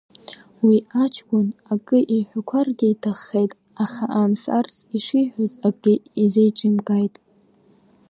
Уи аҷкәын акы иҳәақәаргьы иҭаххеит, аха анс-арс шиҳәоз акгьы изеиҿымкааит.